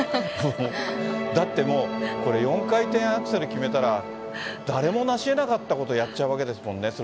だってもう、これ４回転アクセル決めたら、誰もなしえなかったことをやっちゃうわけですもんね。